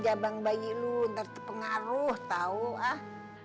jabang bayi lu ntar tuh pengaruh tau ah